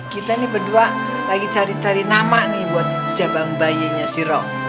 kita nih berdua lagi cari cari nama nih buat jabang bayinya si rom